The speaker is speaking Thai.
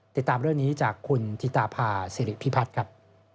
ติดตามเรื่องนี้จากคุณธิตาภาษิริพิพัฒน์ครับ